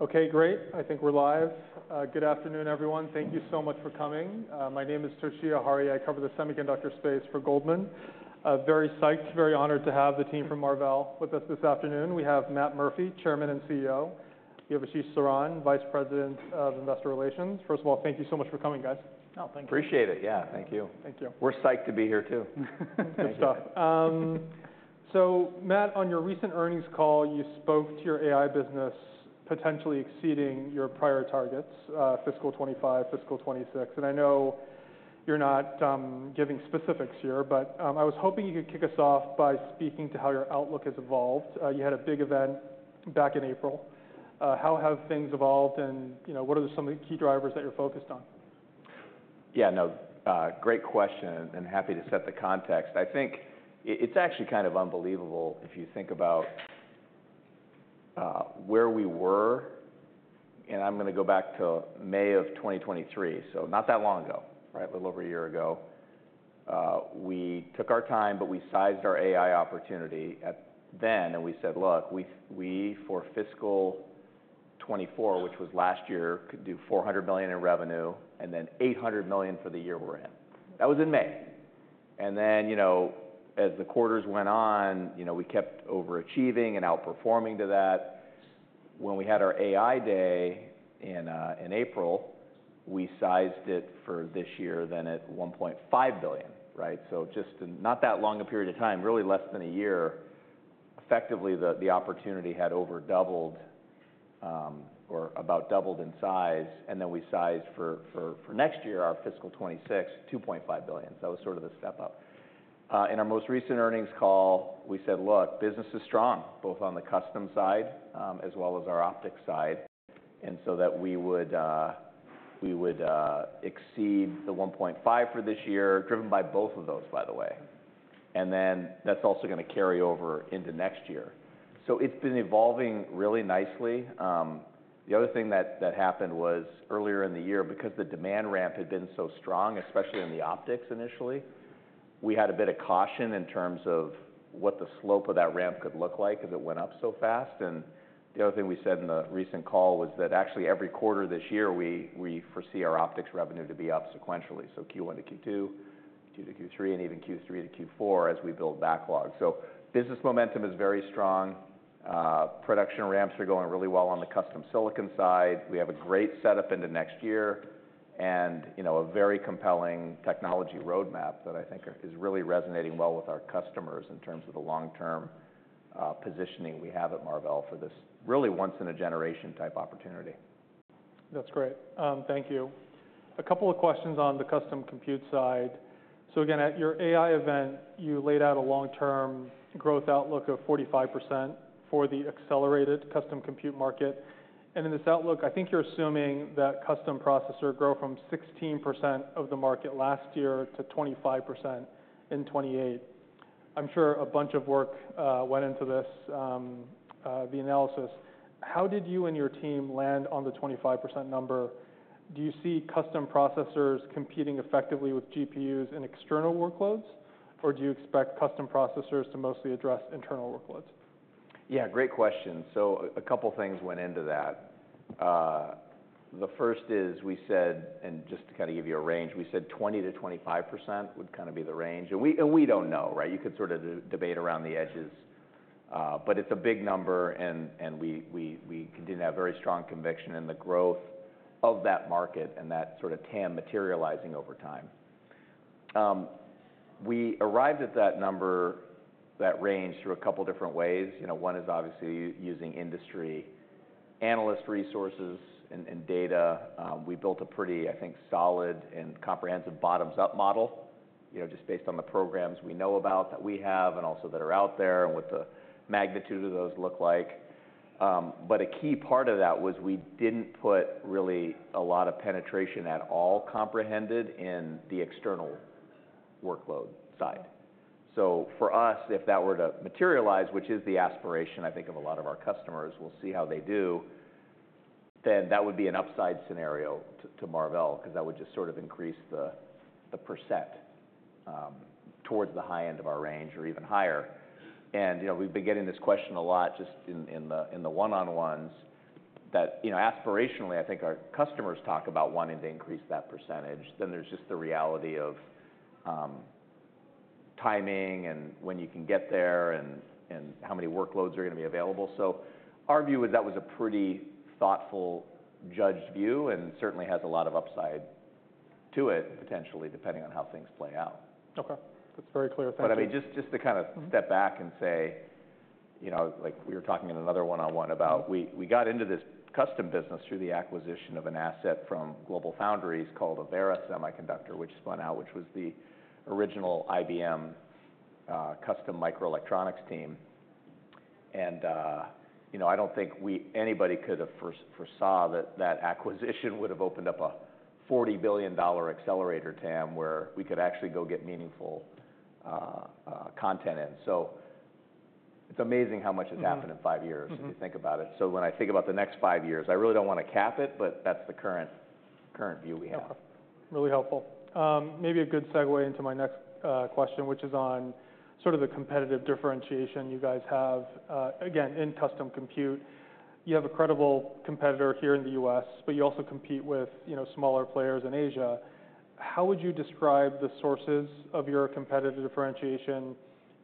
Okay, great. I think we're live. Good afternoon, everyone. Thank you so much for coming. My name is Toshiya Hari. I cover the semiconductor space for Goldman. Very psyched, very honored to have the team from Marvell with us this afternoon. We have Matt Murphy, Chairman and CEO. You have Ashish Saran, Vice President of Investor Relations. First of all, thank you so much for coming, guys. Oh, thank you. Appreciate it. Yeah, thank you. Thank you. We're psyched to be here, too. Good stuff. So Matt, on your recent earnings call, you spoke to your AI business potentially exceeding your prior targets, fiscal twenty-five, fiscal twenty-six, and I know you're not giving specifics here, but I was hoping you could kick us off by speaking to how your outlook has evolved. You had a big event back in April. How have things evolved, and, you know, what are some of the key drivers that you're focused on? Yeah, no, great question, and happy to set the context. I think it, it's actually kind of unbelievable if you think about, where we were, and I'm gonna go back to May of 2023, so not that long ago, right? A little over a year ago. We took our time, but we sized our AI opportunity at then, and we said, "Look, we for fiscal 2024, which was last year, could do $400 million in revenue, and then $800 million for the year we're in." That was in May. And then, you know, as the quarters went on, you know, we kept overachieving and outperforming to that. When we had our AI day in April, we sized it for this year then at $1.5 billion, right? So just in not that long a period of time, really less than a year, effectively, the opportunity had over doubled, or about doubled in size, and then we sized for next year, our fiscal 2026, $2.5 billion. So that was sort of the step up. In our most recent earnings call, we said, "Look, business is strong, both on the custom side, as well as our optics side, and so that we would exceed the $1.5 billion for this year, driven by both of those, by the way. And then that's also gonna carry over into next year." So it's been evolving really nicely. The other thing that happened was earlier in the year, because the demand ramp had been so strong, especially in the optics initially, we had a bit of caution in terms of what the slope of that ramp could look like as it went up so fast, and the other thing we said in the recent call was that actually, every quarter this year, we foresee our optics revenue to be up sequentially, so Q1 to Q2, Q2 to Q3, and even Q3 to Q4 as we build backlog, so business momentum is very strong. Production ramps are going really well on the custom silicon side. We have a great setup into next year and, you know, a very compelling technology roadmap that I think is really resonating well with our customers in terms of the long-term positioning we have at Marvell for this really once-in-a-generation type opportunity. That's great. Thank you. A couple of questions on the custom compute side. Again, at your AI event, you laid out a long-term growth outlook of 45% for the accelerated custom compute market. And in this outlook, I think you're assuming that custom processor grow from 16% of the market last year to 25% in 2028. I'm sure a bunch of work went into this, the analysis. How did you and your team land on the 25% number? Do you see custom processors competing effectively with GPUs in external workloads, or do you expect custom processors to mostly address internal workloads? Yeah, great question. So a couple things went into that. The first is, we said, and just to kind of give you a range, we said 20%-25% would kind of be the range. And we, and we don't know, right? You could sort of debate around the edges, but it's a big number, and, and we, we, we continue to have very strong conviction in the growth of that market and that sort of TAM materializing over time. We arrived at that number, that range, through a couple different ways. You know, one is obviously using industry analyst resources and, and data. We built a pretty, I think, solid and comprehensive bottoms-up model, you know, just based on the programs we know about that we have and also that are out there, and what the magnitude of those look like. But a key part of that was we didn't put really a lot of penetration at all comprehended in the external workload side. So for us, if that were to materialize, which is the aspiration, I think, of a lot of our customers, we'll see how they do, then that would be an upside scenario to Marvell, 'cause that would just sort of increase the percent towards the high end of our range or even higher. And, you know, we've been getting this question a lot just in the one-on-ones that, you know, aspirationally, I think our customers talk about wanting to increase that percentage. Then there's just the reality of timing and when you can get there and how many workloads are gonna be available. So our view is that was a pretty thoughtful, judged view and certainly has a lot of upside to it, potentially, depending on how things play out. Okay. That's very clear. Thank you. But I mean, just to kind of- Mm-hmm... step back and say, you know, like we were talking in another one-on-one about, we got into this custom business through the acquisition of an asset from GlobalFoundries called Avera Semiconductor, which spun out, which was the original IBM custom microelectronics team. And, you know, I don't think anybody could have foreseen that that acquisition would have opened up a $40 billion accelerator TAM, where we could actually go get meaningful content in. So it's amazing how much has- Mm-hmm... happened in five years- Mm-hmm... if you think about it. So when I think about the next five years, I really don't wanna cap it, but that's the current view we have. Okay, really helpful. Maybe a good segue into my next question, which is on sort of the competitive differentiation you guys have, again, in custom compute. You have a credible competitor here in the US, but you also compete with, you know, smaller players in Asia. How would you describe the sources of your competitive differentiation,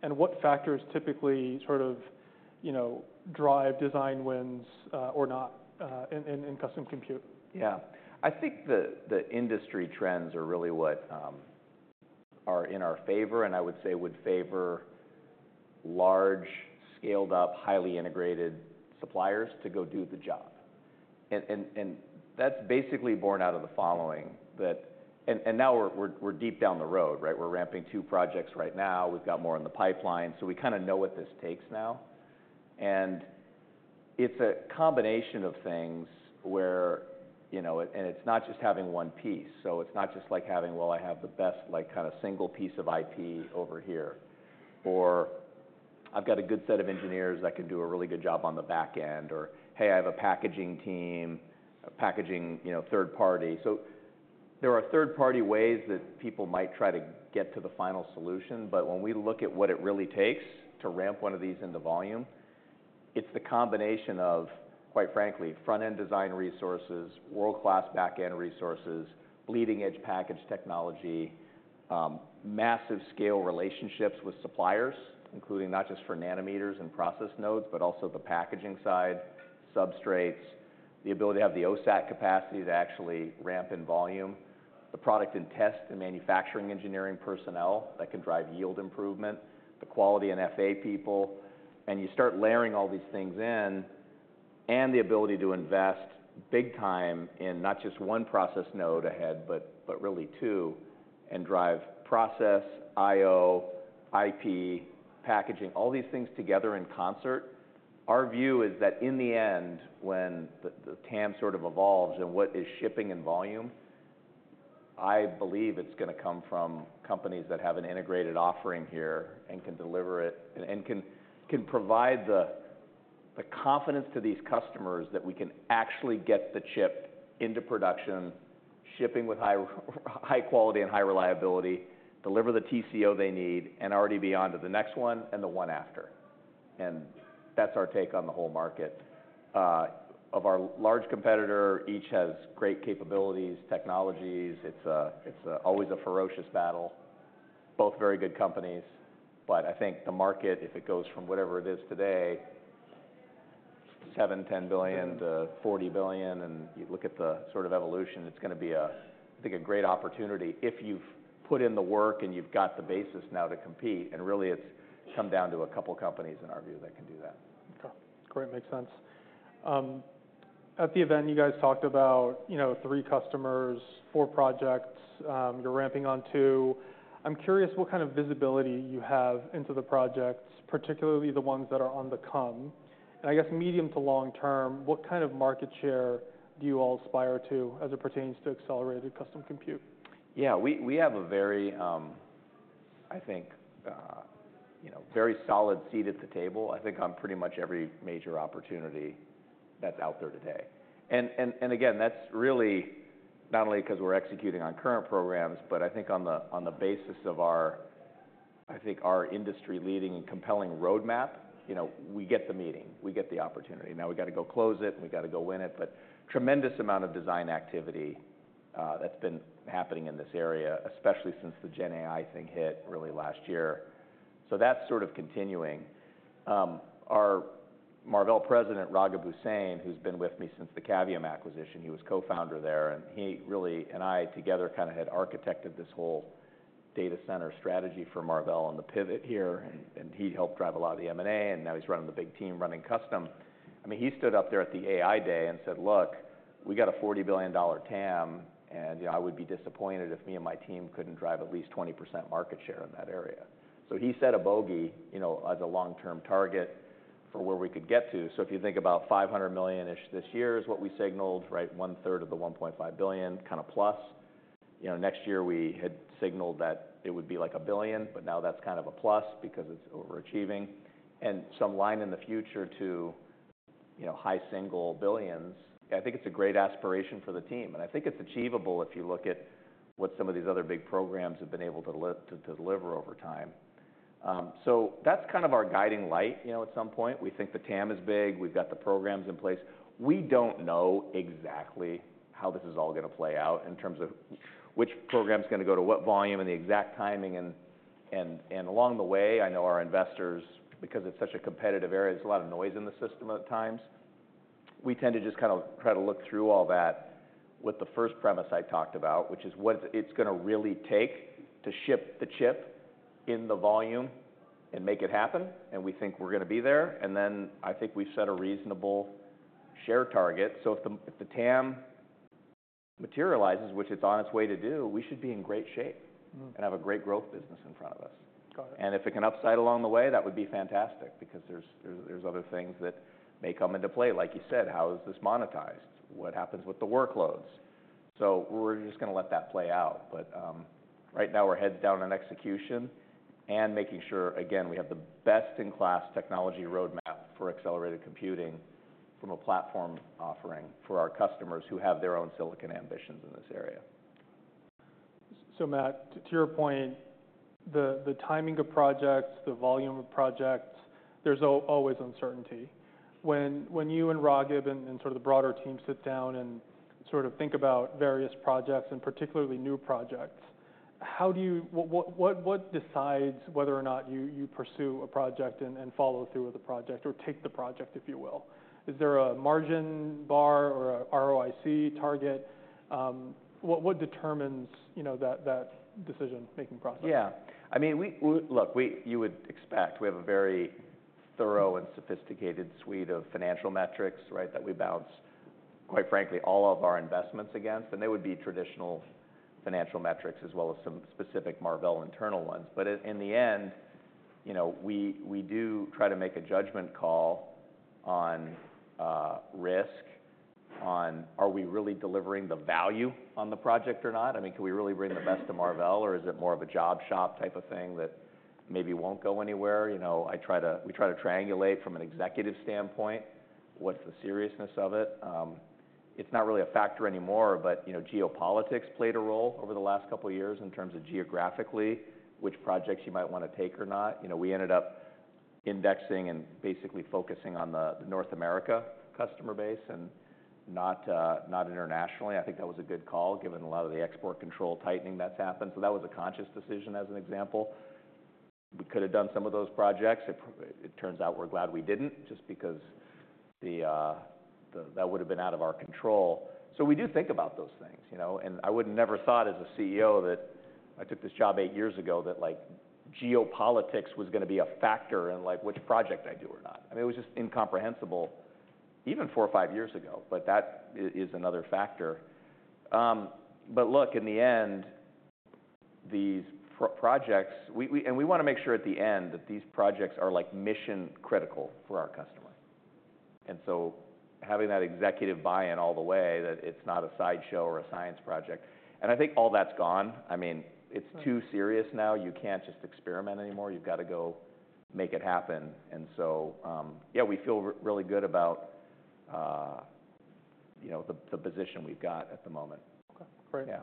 and what factors typically sort of, you know, drive design wins, or not, in custom compute? Yeah. I think the industry trends are really what are in our favor, and I would say would favor large, scaled-up, highly integrated suppliers to go do the job. That's basically born out of the following. Now we're deep down the road, right? We're ramping two projects right now. We've got more in the pipeline, so we kinda know what this takes now. It's a combination of things where, you know, it's not just having one piece. So it's not just like having, well, I have the best, like, kind of, single piece of IP over here, or I've got a good set of engineers that can do a really good job on the back-end, or, "Hey, I have a packaging team, a packaging, you know, third party." So there are third-party ways that people might try to get to the final solution, but when we look at what it really takes to ramp one of these into volume, it's the combination of, quite frankly, front-end design resources, world-class back-end resources, leading-edge package technology, massive scale relationships with suppliers, including not just for nanometers and process nodes, but also the packaging side, substrates, the ability to have the OSAT capacity to actually ramp in volume, the product and test, the manufacturing engineering personnel that can drive yield improvement, the quality and FA people. You start layering all these things in, and the ability to invest big time in not just one process node ahead, but really two, and drive process, I/O, IP, packaging, all these things together in concert. Our view is that in the end, when the TAM sort of evolves and what is shipping in volume, I believe it's gonna come from companies that have an integrated offering here and can deliver it, and can provide the confidence to these customers that we can actually get the chip into production, shipping with high quality and high reliability, deliver the TCO they need, and already be on to the next one and the one after. That's our take on the whole market. Of our large competitor, each has great capabilities, technologies. It's always a ferocious battle. Both very good companies, but I think the market, if it goes from whatever it is today, $7-$10 billion to $40 billion, and you look at the sort of evolution, it's gonna be a, I think, a great opportunity if you've put in the work and you've got the basis now to compete, and really it's come down to a couple companies, in our view, that can do that. Okay. Great, makes sense. At the event, you guys talked about, you know, three customers, four projects, you're ramping on two. I'm curious what kind of visibility you have into the projects, particularly the ones that are on the come, and I guess medium to long term, what kind of market share do you all aspire to as it pertains to accelerated custom compute? Yeah, we have a very, I think, you know, very solid seat at the table, I think on pretty much every major opportunity that's out there today, and again, that's really not only 'cause we're executing on current programs, but I think on the basis of our, I think, our industry-leading and compelling roadmap. You know, we get the meeting, we get the opportunity. Now, we gotta go close it, and we gotta go win it, but tremendous amount of design activity, that's been happening in this area, especially since the GenAI thing hit early last year, so that's sort of continuing. Our Marvell president, Raghib Hussain, who's been with me since the Cavium acquisition, he was co-founder there, and he really, and I together, kind of had architected this whole data center strategy for Marvell and the pivot here, and, and he helped drive a lot of the M&A, and now he's running the big team, running custom. I mean, he stood up there at the AI day and said: "Look, we got a $40 billion TAM, and, you know, I would be disappointed if me and my team couldn't drive at least 20% market share in that area." So he set a bogey, you know, as a long-term target for where we could get to. So if you think about 500 million-ish this year is what we signaled, right? One third of the 1.5 billion, kind of plus. You know, next year we had signaled that it would be like $1 billion, but now that's kind of a plus because it's overachieving. Sometime in the future to, you know, high single billions. I think it's a great aspiration for the team, and I think it's achievable if you look at what some of these other big programs have been able to to deliver over time. So that's kind of our guiding light, you know, at some point. We think the TAM is big. We've got the programs in place. We don't know exactly how this is all gonna play out in terms of which program's gonna go to what volume and the exact timing. And along the way, I know our investors, because it's such a competitive area, there's a lot of noise in the system at times, we tend to just kind of try to look through all that with the first premise I talked about, which is what it's gonna really take to ship the chip in the volume and make it happen, and we think we're gonna be there. And then I think we've set a reasonable share target. So if the TAM materializes, which it's on its way to do, we should be in great shape- Mm-hmm. and have a great growth business in front of us. Got it. And if it can upside along the way, that would be fantastic, because there's other things that may come into play. Like you said, how is this monetized? What happens with the workloads? So we're just gonna let that play out, but right now, we're heads down on execution, and making sure, again, we have the best-in-class technology roadmap for accelerated computing from a platform offering for our customers who have their own silicon ambitions in this area. So Matt, to your point, the timing of projects, the volume of projects, there's always uncertainty. When you and Raghib and sort of the broader team sit down and sort of think about various projects, and particularly new projects, what decides whether or not you pursue a project and follow through with the project or take the project, if you will? Is there a margin bar or a ROIC target? What determines, you know, that decision-making process? Yeah. I mean, we look, you would expect we have a very thorough and sophisticated suite of financial metrics, right, that we bounce, quite frankly, all of our investments against, and they would be traditional financial metrics as well as some specific Marvell internal ones. But in the end, you know, we do try to make a judgment call on risk, on are we really delivering the value on the project or not? I mean, can we really bring the best of Marvell, or is it more of a job shop type of thing that maybe won't go anywhere? You know, we try to triangulate from an executive standpoint, what's the seriousness of it? It's not really a factor anymore, but, you know, geopolitics played a role over the last couple of years in terms of geographically, which projects you might want to take or not. You know, we ended up indexing and basically focusing on the North America customer base and not internationally. I think that was a good call, given a lot of the export control tightening that's happened. So that was a conscious decision, as an example. We could have done some of those projects. It turns out we're glad we didn't, just because that would have been out of our control. So we do think about those things, you know, and I would've never thought as a CEO that I took this job eight years ago, that, like, geopolitics was gonna be a factor in, like, which project I do or not. I mean, it was just incomprehensible even four or five years ago, but that is another factor, but look, in the end, these projects we wanna make sure at the end that these projects are, like, mission-critical for our customer, and so having that executive buy-in all the way, that it's not a sideshow or a science project, and I think all that's gone. I mean, it's too serious now. You can't just experiment anymore. You've got to go make it happen, and so, yeah, we feel really good about, you know, the position we've got at the moment. Okay, great. Yeah.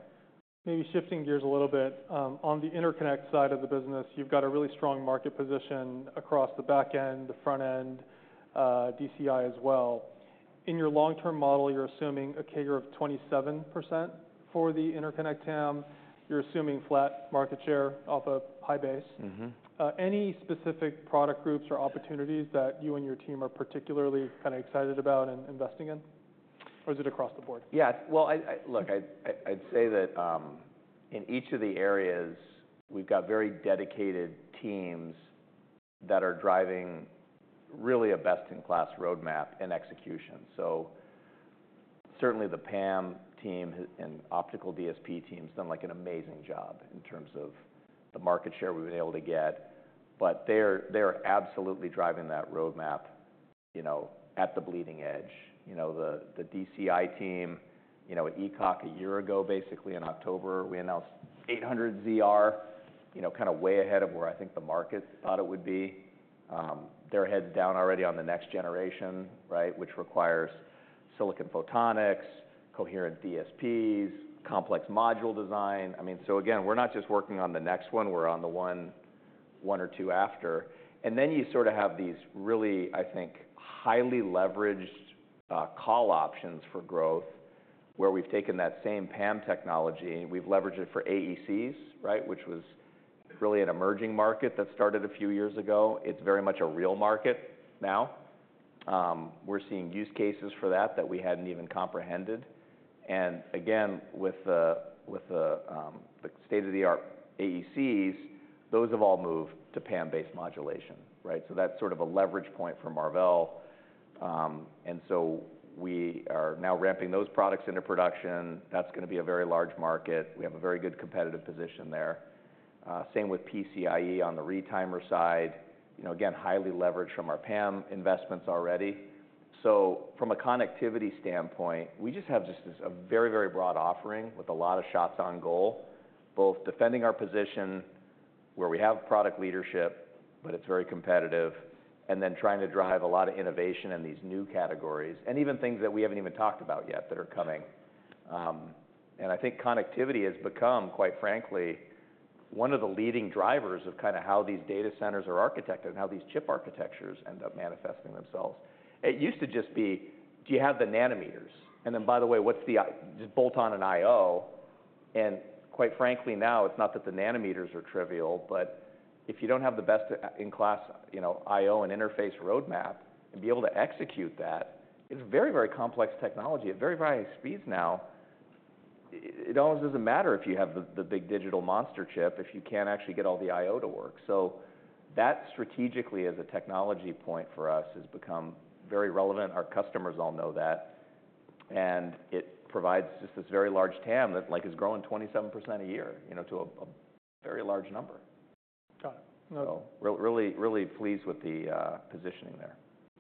Maybe shifting gears a little bit, on the interconnect side of the business, you've got a really strong market position across the back end, the front end, DCI as well. In your long-term model, you're assuming a CAGR of 27% for the interconnect TAM. You're assuming flat market share off a high base. Mm-hmm. Any specific product groups or opportunities that you and your team are particularly kind of excited about and investing in, or is it across the board? Yeah, well, look, I'd say that in each of the areas, we've got very dedicated teams that are driving really a best-in-class roadmap and execution. So certainly, the PAM team and optical DSP team has done, like, an amazing job in terms of the market share we've been able to get, but they're absolutely driving that roadmap, you know, at the bleeding edge. You know, the DCI team, you know, at ECOC a year ago, basically in October, we announced 800 ZR, you know, kind of way ahead of where I think the market thought it would be. They're heads down already on the next generation, right, which requires silicon photonics, coherent DSPs, complex module design. I mean, so again, we're not just working on the next one, we're on the one or two after. And then you sort of have these really, I think, highly leveraged, call options for growth, where we've taken that same PAM technology and we've leveraged it for AECs, right? Which was really an emerging market that started a few years ago. It's very much a real market now. We're seeing use cases for that, that we hadn't even comprehended. And again, with the state-of-the-art AECs, those have all moved to PAM-based modulation, right? So that's sort of a leverage point for Marvell. And so we are now ramping those products into production. That's gonna be a very large market. We have a very good competitive position there. Same with PCIe on the retimer side. You know, again, highly leveraged from our PAM investments already. So from a connectivity standpoint, we just have this, a very, very broad offering with a lot of shots on goal, both defending our position where we have product leadership, but it's very competitive, and then trying to drive a lot of innovation in these new categories, and even things that we haven't even talked about yet that are coming. And I think connectivity has become, quite frankly, one of the leading drivers of kind of how these data centers are architected and how these chip architectures end up manifesting themselves. It used to just be, do you have the nanometers? And then, by the way, what's the I/O? Just bolt on an I/O. Quite frankly, now, it's not that the nanometers are trivial, but if you don't have the best in class, you know, IO and interface roadmap and be able to execute that, it's a very, very complex technology at very, very high speeds now. It almost doesn't matter if you have the big digital monster chip if you can't actually get all the IO to work. So that strategically, as a technology point for us, has become very relevant. Our customers all know that, and it provides just this very large TAM that, like, is growing 27% a year, you know, to a very large number. Got it. Really, really pleased with the positioning there.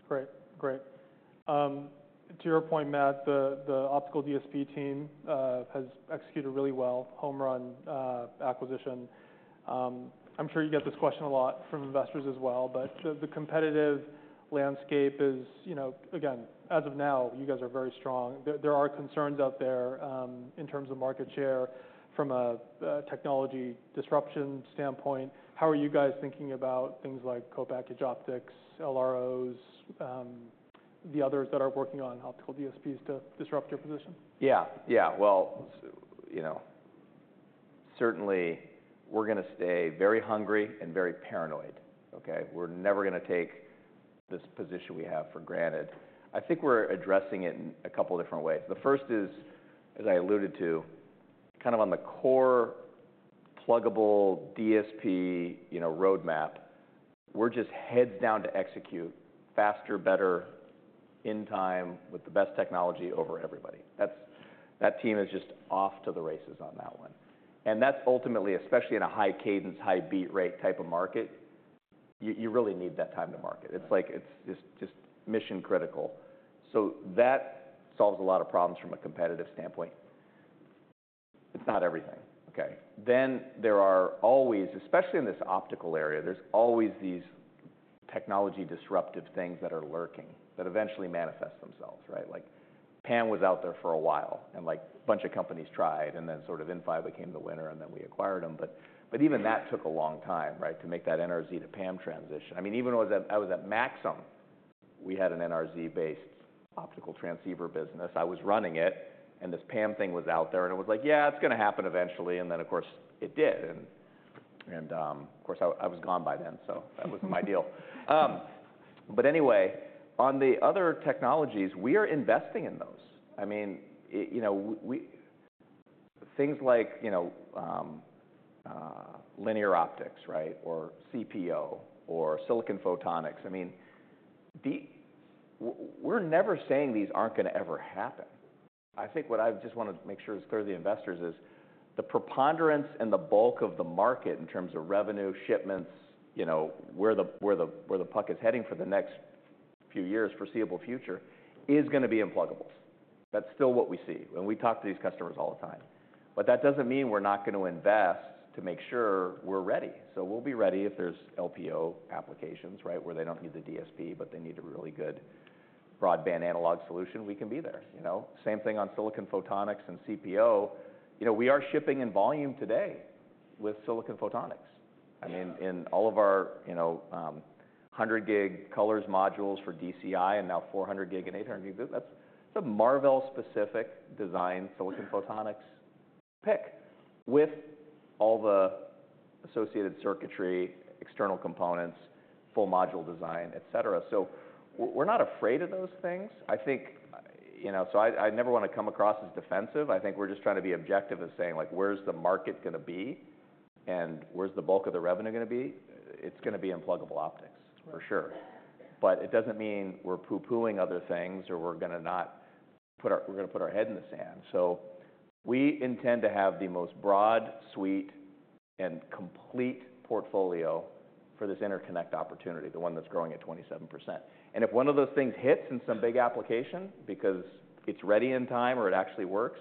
Great. Great. To your point, Matt, the optical DSP team has executed really well, home run acquisition. I'm sure you get this question a lot from investors as well, but the competitive landscape is, you know, again, as of now, you guys are very strong. There are concerns out there in terms of market share from a technology disruption standpoint. How are you guys thinking about things like co-packaged optics, LPOs, the others that are working on optical DSPs to disrupt your position? Yeah. Yeah, well, you know, certainly we're going to stay very hungry and very paranoid, okay? We're never going to take this position we have for granted. I think we're addressing it in a couple different ways. The first is, as I alluded to, kind of on the core pluggable DSP, you know, roadmap. We're just heads down to execute faster, better, in time, with the best technology over everybody. That team is just off to the races on that one. And that's ultimately, especially in a high cadence, high beat rate type of market, you really need that time to market. It's like it's just mission critical. So that solves a lot of problems from a competitive standpoint. It's not everything, okay? Then there are always, especially in this optical area, there's always these technology disruptive things that are lurking, that eventually manifest themselves, right? Like, PAM was out there for a while, and, like, a bunch of companies tried, and then sort of Inphi became the winner, and then we acquired them. But even that took a long time, right, to make that NRZ to PAM transition. I mean, even when I was at Maxim, we had an NRZ-based optical transceiver business. I was running it, and this PAM thing was out there, and it was like: Yeah, it's going to happen eventually. And, of course, I was gone by then, so that wasn't my deal. But anyway, on the other technologies, we are investing in those. I mean, you know, things like, you know, linear optics, right, or CPO or silicon photonics. I mean, we're never saying these aren't going to ever happen. I think what I just want to make sure is clear to the investors is, the preponderance and the bulk of the market in terms of revenue, shipments, you know, where the puck is heading for the next few years, foreseeable future, is going to be in pluggables. That's still what we see, and we talk to these customers all the time. But that doesn't mean we're not going to invest to make sure we're ready. So we'll be ready if there's LPO applications, right, where they don't need the DSP, but they need a really good broadband analog solution, we can be there, you know? Same thing on Silicon Photonics and CPO. You know, we are shipping in volume today with Silicon Photonics. I mean, in all of our, you know, hundred gig COLORZ modules for DCI and now four hundred gig and eight hundred gig, that's a Marvell-specific design, silicon photonics PIC, with all the associated circuitry, external components, full module design, et cetera. So we're not afraid of those things. I think, you know... So I never want to come across as defensive. I think we're just trying to be objective in saying, like, where's the market going to be, and where's the bulk of the revenue going to be? It's going to be in pluggable optics, for sure. But it doesn't mean we're pooh-poohing other things, or we're going to not put our-- we're going to put our head in the sand. So we intend to have the most broad suite and complete portfolio for this interconnect opportunity, the one that's growing at 27%. If one of those things hits in some big application because it's ready in time or it actually works,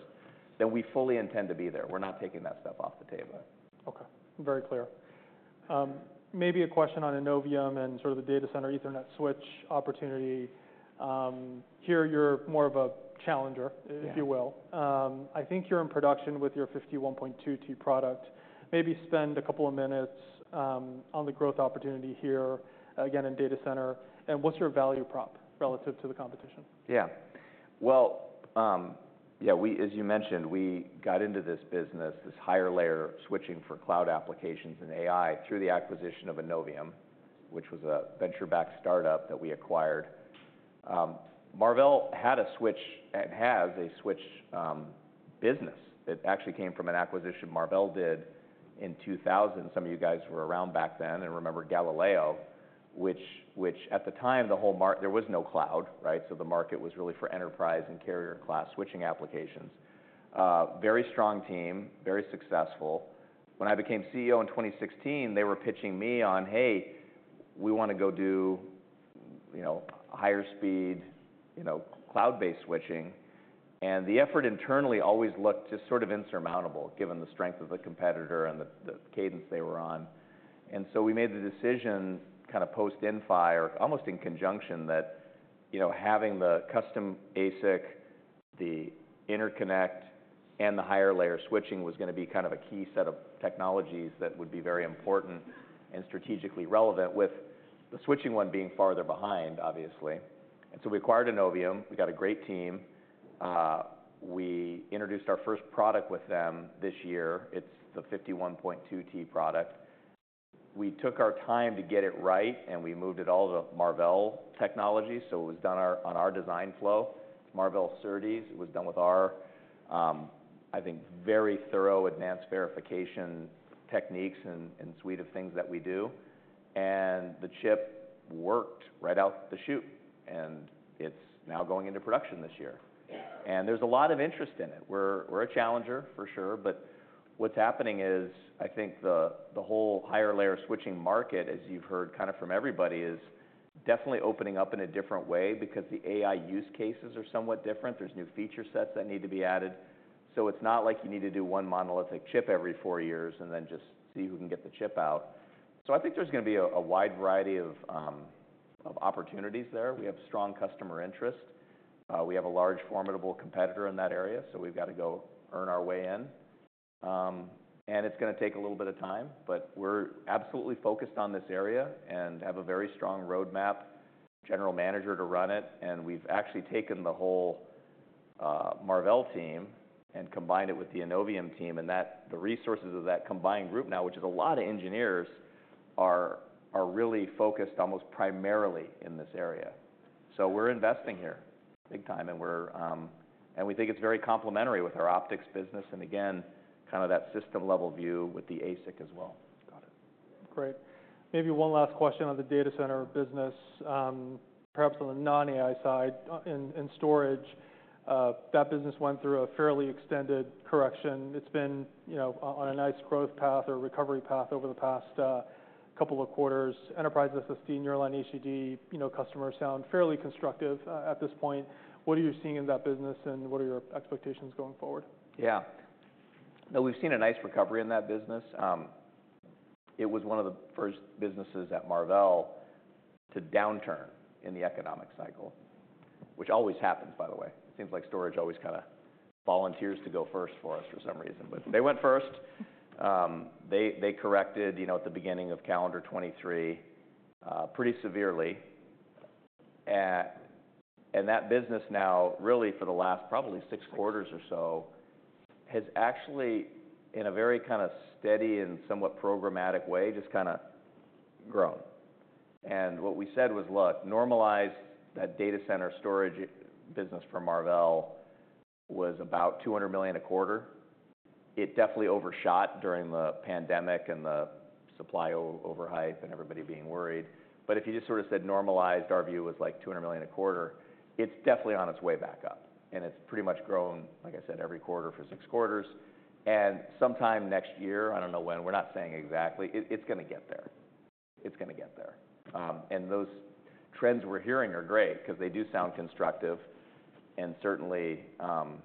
then we fully intend to be there. We're not taking that stuff off the table. Okay, very clear. Maybe a question on Innovium and sort of the data center Ethernet switch opportunity. Here, you're more of a challenger- Yeah... if you will. I think you're in production with your 51.2 T product. Maybe spend a couple of minutes on the growth opportunity here, again, in data center, and what's your value prop relative to the competition? Yeah. Well, yeah, we, as you mentioned, we got into this business, this higher layer switching for cloud applications and AI, through the acquisition of Innovium, which was a venture-backed startup that we acquired. Marvell had a switch, and has a switch, business, that actually came from an acquisition Marvell did in 2000. Some of you guys were around back then and remember Galileo, which, at the time, there was no cloud, right? So the market was really for enterprise and carrier class switching applications. Very strong team, very successful. When I became CEO in 2016, they were pitching me on, "Hey, we want to go do, you know, higher speed, you know, cloud-based switching." and the effort internally always looked just sort of insurmountable, given the strength of the competitor and the cadence they were on. We made the decision, kind of post-Inphi, or almost in conjunction, that, you know, having the custom ASIC, the interconnect, and the higher layer switching was going to be kind of a key set of technologies that would be very important and strategically relevant, with the switching one being farther behind, obviously. We acquired Innovium. We got a great team. We introduced our first product with them this year. It's the 51.2 T product. We took our time to get it right, and we moved it all to Marvell Technology, so it was done on our design flow, Marvell SerDes. It was done with our, I think, very thorough advanced verification techniques and suite of things that we do. The chip worked right out the chute, and it's now going into production this year. And there's a lot of interest in it. We're a challenger, for sure, but what's happening is, I think the whole higher layer switching market, as you've heard kind of from everybody, is definitely opening up in a different way because the AI use cases are somewhat different. There's new feature sets that need to be added. So it's not like you need to do one monolithic chip every four years and then just see who can get the chip out. So I think there's gonna be a wide variety of opportunities there. We have strong customer interest. We have a large, formidable competitor in that area, so we've got to go earn our way in. and it's gonna take a little bit of time, but we're absolutely focused on this area and have a very strong roadmap, general manager to run it, and we've actually taken the whole Marvell team and combined it with the Innovium team, and the resources of that combined group now, which is a lot of engineers, are really focused almost primarily in this area. So we're investing here big time, and we're, and we think it's very complementary with our optics business, and again, kind of that system-level view with the ASIC as well. Got it. Great. Maybe one last question on the data center business, perhaps on the non-AI side, in storage. That business went through a fairly extended correction. It's been, you know, on a nice growth path or recovery path over the past couple of quarters. Enterprise SSD, Nearline HDD, you know, customers sound fairly constructive at this point. What are you seeing in that business, and what are your expectations going forward? Yeah. Now, we've seen a nice recovery in that business. It was one of the first businesses at Marvell to downturn in the economic cycle, which always happens, by the way. It seems like storage always kind of volunteers to go first for us for some reason, but they went first. They corrected, you know, at the beginning of calendar 2023, pretty severely, and that business now, really for the last probably six quarters or so, has actually, in a very kind of steady and somewhat programmatic way, just kind of grown, and what we said was, "Look, normalize that data center storage business from Marvell was about $200 million a quarter." It definitely overshot during the pandemic and the supply overhype and everybody being worried. But if you just sort of said normalized, our view was, like, $200 million a quarter. It's definitely on its way back up, and it's pretty much grown, like I said, every quarter for six quarters, and sometime next year, I don't know when, we're not saying exactly, it's gonna get there. It's gonna get there, and those trends we're hearing are great, 'cause they do sound constructive, and certainly, you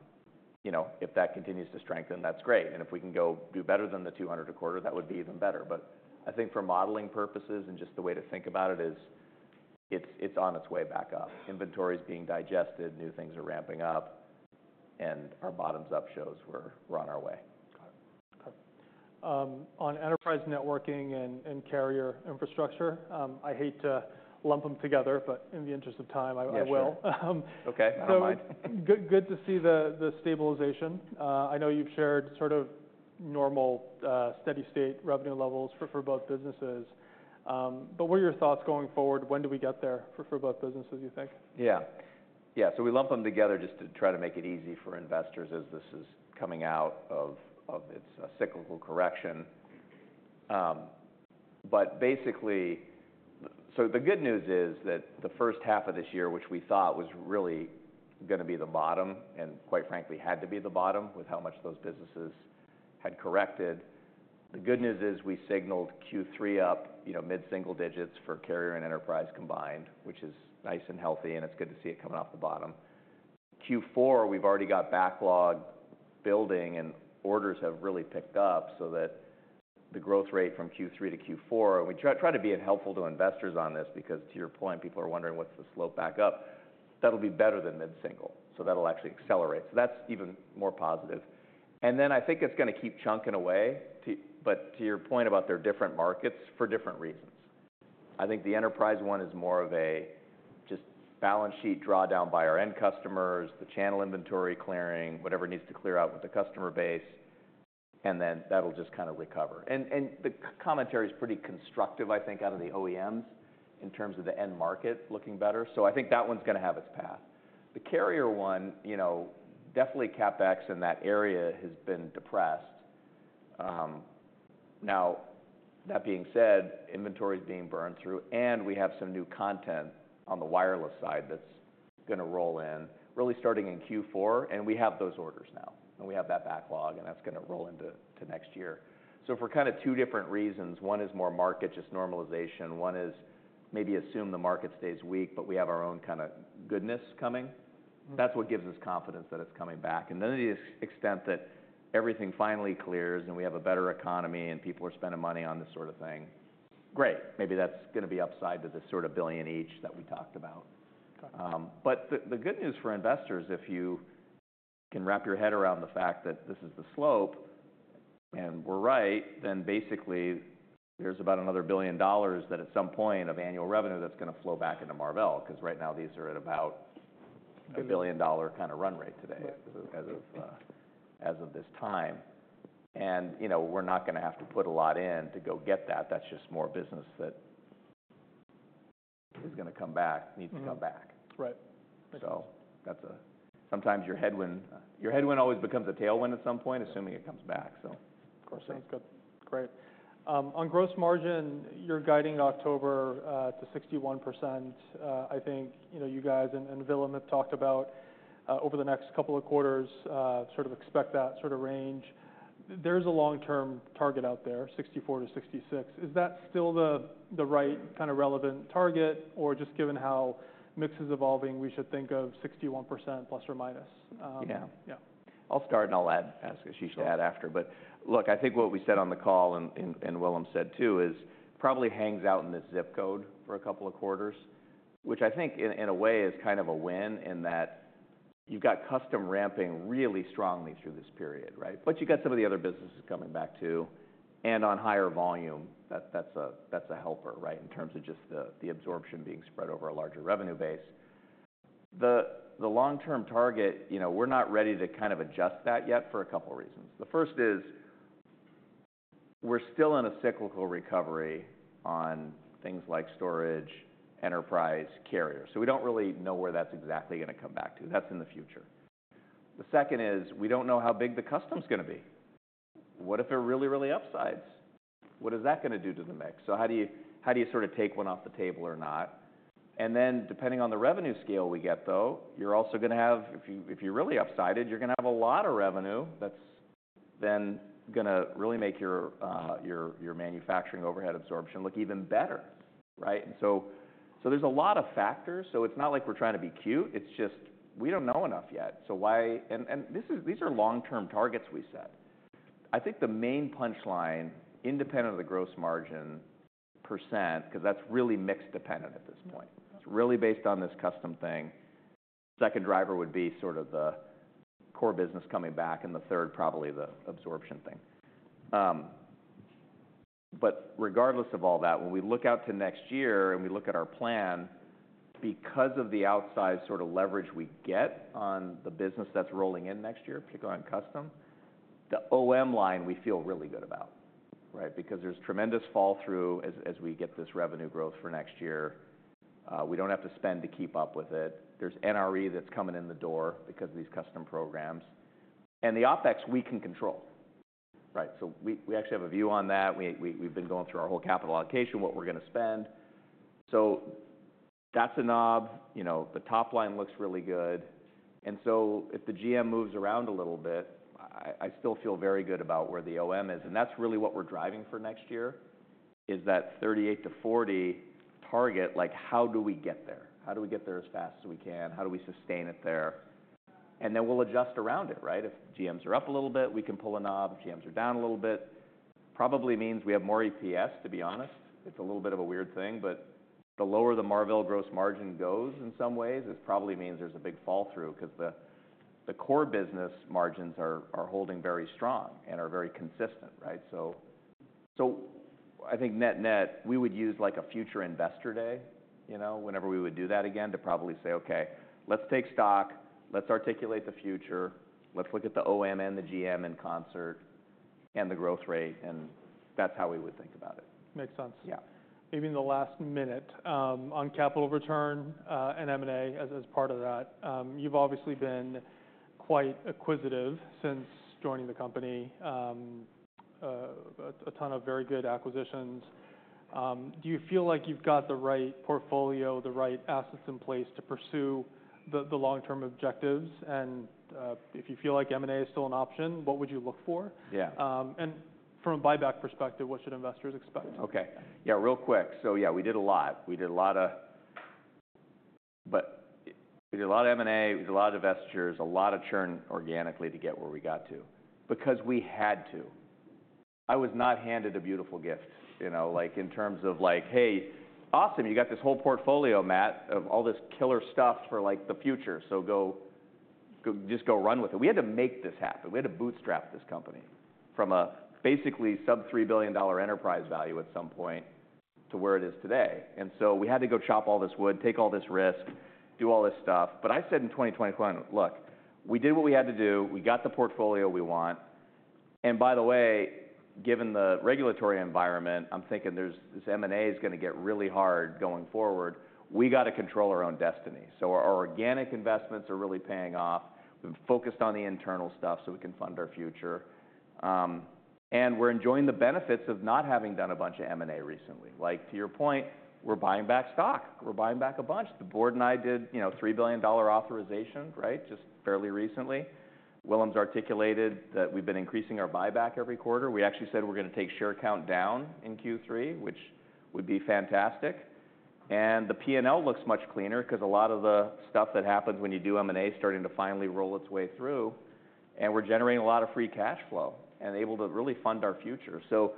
know, if that continues to strengthen, that's great, and if we can go do better than the 200 a quarter, that would be even better, but I think for modeling purposes and just the way to think about it is, it's on its way back up. Inventory is being digested, new things are ramping up, and our bottoms-up shows we're on our way. Got it. Okay. On enterprise networking and carrier infrastructure, I hate to lump them together, but in the interest of time, I will. Yeah, sure. Okay, I don't mind. So good, good to see the, the stabilization. I know you've shared sort of normal, steady state revenue levels for, for both businesses. But what are your thoughts going forward? When do we get there for, for both businesses, you think? Yeah. Yeah, so we lump them together just to try to make it easy for investors as this is coming out of its cyclical correction. But basically... The good news is that the first half of this year, which we thought was really gonna be the bottom, and quite frankly, had to be the bottom with how much those businesses had corrected, the good news is we signaled Q3 up, you know, mid-single digits for carrier and enterprise combined, which is nice and healthy, and it's good to see it coming off the bottom. Q4, we've already got backlog building, and orders have really picked up so that the growth rate from Q3 to Q4... We try to be helpful to investors on this, because to your point, people are wondering what's the slope back up. That'll be better than mid-single, so that'll actually accelerate, so that's even more positive, then I think it's gonna keep chugging away, but to your point about their different markets for different reasons. I think the enterprise one is more just a balance sheet drawdown by our end customers, the channel inventory clearing, whatever needs to clear out with the customer base, and then that'll just kind of recover, and the commentary is pretty constructive, I think, out of the OEMs in terms of the end market looking better, so I think that one's gonna have its path. The carrier one, you know, definitely CapEx in that area has been depressed. Now, that being said, inventory is being burned through, and we have some new content on the wireless side that's gonna roll in, really starting in Q4, and we have those orders now, and we have that backlog, and that's gonna roll into next year. So for kind of two different reasons, one is more market, just normalization, one is maybe assume the market stays weak, but we have our own kind of goodness coming. Mm-hmm. That's what gives us confidence that it's coming back. To the extent that everything finally clears, and we have a better economy, and people are spending money on this sort of thing, great. Maybe that's gonna be upside to the sort of billion each that we talked about. Got it. But the good news for investors, if you can wrap your head around the fact that this is the slope, and we're right, then basically, there's about another $1 billion that at some point, of annual revenue, that's gonna flow back into Marvell. 'Cause right now, these are at about a $1 billion kind of run rate today. Yeah... as of this time. And, you know, we're not gonna have to put a lot in to go get that. That's just more business that is gonna come back- Mm-hmm... needs to come back. Right. So that's. Sometimes your headwind always becomes a tailwind at some point, assuming it comes back, so. Of course. Sounds good. Great. On gross margin, you're guiding October to 61%. I think, you know, you guys and Willem have talked about over the next couple of quarters, sort of expect that sort of range... There's a long-term target out there, 64%-66%. Is that still the right kind of relevant target? Or just given how mix is evolving, we should think of 61% plus or minus? Yeah. Yeah. I'll start, and I'll ask Ashish to add after. But look, I think what we said on the call, and Willem said, too, is probably hangs out in this zip code for a couple of quarters, which I think in a way is kind of a win in that you've got custom ramping really strongly through this period, right? But you've got some of the other businesses coming back, too, and on higher volume. That's a helper, right, in terms of just the absorption being spread over a larger revenue base. The long-term target, you know, we're not ready to kind of adjust that yet for a couple reasons. The first is we're still in a cyclical recovery on things like storage, enterprise, carrier, so we don't really know where that's exactly gonna come back to. That's in the future. The second is we don't know how big the custom's gonna be. What if they're really, really upsides? What is that gonna do to the mix? So how do you sort of take one off the table or not? And then, depending on the revenue scale we get, though, you're also gonna have... if you're really upsided, you're gonna have a lot of revenue that's then gonna really make your manufacturing overhead absorption look even better, right? And so there's a lot of factors, so it's not like we're trying to be cute, it's just we don't know enough yet. So why, and this is, these are long-term targets we set. I think the main punchline, independent of the gross margin %, 'cause that's really mix dependent at this point. Yeah. It's really based on this custom thing. Second driver would be sort of the core business coming back, and the third, probably the absorption thing. But regardless of all that, when we look out to next year and we look at our plan, because of the outsized sort of leverage we get on the business that's rolling in next year, particularly on custom, the OM line we feel really good about, right? Because there's tremendous fall through as we get this revenue growth for next year. We don't have to spend to keep up with it. There's NRE that's coming in the door because of these custom programs. And the OpEx, we can control, right? So we've been going through our whole capital allocation, what we're gonna spend. So that's a knob. You know, the top line looks really good, and so if the GM moves around a little bit, I still feel very good about where the OM is, and that's really what we're driving for next year, is that thirty-eight to forty target. Like, how do we get there? How do we get there as fast as we can? How do we sustain it there? And then we'll adjust around it, right? If GMs are up a little bit, we can pull a knob. If GMs are down a little bit, probably means we have more EPS, to be honest. It's a little bit of a weird thing, but the lower the Marvell gross margin goes, in some ways, it probably means there's a big fall through, 'cause the core business margins are holding very strong and are very consistent, right? I think net-net, we would use, like, a future investor day, you know, whenever we would do that again, to probably say, "Okay, let's take stock. Let's articulate the future. Let's look at the OM and the GM in concert and the growth rate," and that's how we would think about it. Makes sense. Yeah. Maybe in the last minute, on capital return, and M&A as part of that. You've obviously been quite acquisitive since joining the company. A ton of very good acquisitions. Do you feel like you've got the right portfolio, the right assets in place to pursue the long-term objectives? And, if you feel like M&A is still an option, what would you look for? Yeah. And from a buyback perspective, what should investors expect? Okay. Yeah, real quick. Yeah, we did a lot of M&A, we did a lot of divestitures, a lot of churn organically to get where we got to, because we had to. I was not handed a beautiful gift, you know, like, in terms of, like, "Hey, awesome, you got this whole portfolio, Matt, of all this killer stuff for, like, the future, so go, just go run with it." We had to make this happen. We had to bootstrap this company from a basically sub-$3 billion enterprise value at some point to where it is today. And so we had to go chop all this wood, take all this risk, do all this stuff. But I said in 2021, "Look, we did what we had to do. We got the portfolio we want. By the way, given the regulatory environment, I'm thinking there's this M&A is gonna get really hard going forward. "We got to control our own destiny." So our organic investments are really paying off. We've focused on the internal stuff so we can fund our future. And we're enjoying the benefits of not having done a bunch of M&A recently. Like, to your point, we're buying back stock. We're buying back a bunch. The board and I did, you know, $3 billion dollar authorization, right, just fairly recently. Willem's articulated that we've been increasing our buyback every quarter. We actually said we're gonna take share count down in Q3, which would be fantastic. And the P&L looks much cleaner, 'cause a lot of the stuff that happens when you do M&A is starting to finally roll its way through, and we're generating a lot of free cash flow and able to really fund our future. So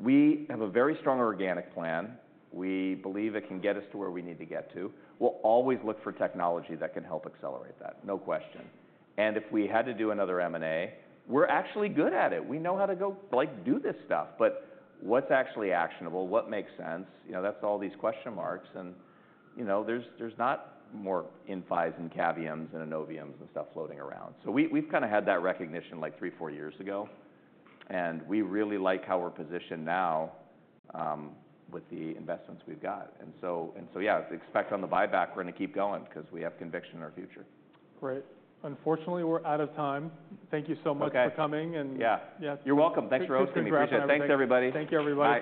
we have a very strong organic plan. We believe it can get us to where we need to get to. We'll always look for technology that can help accelerate that, no question. And if we had to do another M&A, we're actually good at it. We know how to go, like, do this stuff, but what's actually actionable? What makes sense? You know, that's all these question marks and, you know, there's not more Inphi's and Cavium's and Innovium's and stuff floating around. So we, we've kind of had that recognition, like, three, four years ago, and we really like how we're positioned now, with the investments we've got. And so yeah, expect on the buyback, we're gonna keep going, 'cause we have conviction in our future. Great. Unfortunately, we're out of time. Okay. Thank you so much for coming. Yeah. Yeah. You're welcome. Thanks for hosting me. Congrats- I appreciate it. Thanks, everybody. Thank you, everybody.